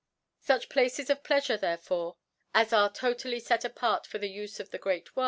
Such*Places of Pleafure, therefore, as are totally fet apart for the Ufe of the Great * Plato.